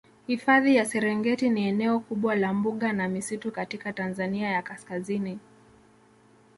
Hifadhi ya Serengeti ni eneo kubwa la mbuga na misitu katika Tanzania ya kaskazini